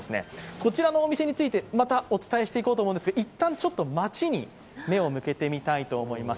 こちらのお店についてまたお伝えしていこうと思うんですけど一旦ちょっと街に目を向けてみたいと思います。